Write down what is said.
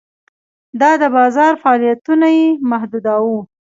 دا د بازار فعالیتونه یې محدوداوه.